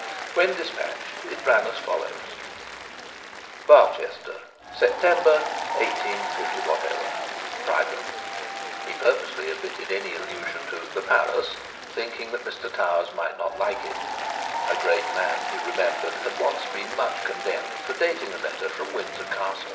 When dispatched it ran as follows: 'Barchester, Sept 185 (He purposely omitted any allusion to the 'palace', thinking that Mr Towers might not like it. A great man, he remembered, had been once much condemned for dating a letter from Windsor Castle.)